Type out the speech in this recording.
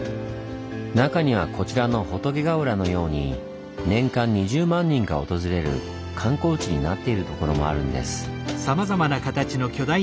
中にはこちらの仏ヶ浦のように年間２０万人が訪れる観光地になっているところもあるんです。